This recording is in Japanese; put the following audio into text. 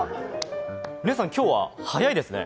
皆さん今日は早いですね。